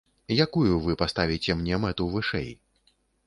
Якую вы паставіце мне мэту вышэй?